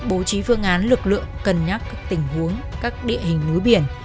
bố trí phương án lực lượng cân nhắc các tình huống các địa hình núi biển